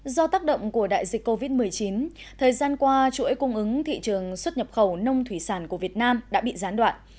do tác động của đại dịch covid một mươi chín thời gian qua chuỗi cung ứng thị trường xuất nhập khẩu nông thủy sản của việt nam đã bị gián đoạn